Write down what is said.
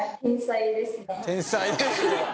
天才ですね。